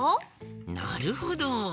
なるほど。